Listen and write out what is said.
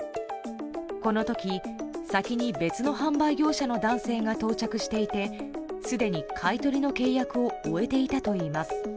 この時、先に別の販売業者の男が到着していてすでに買い取りの契約を終えていたといいます。